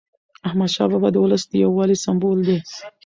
احمدشاه بابا د ولس د یووالي سمبول دی.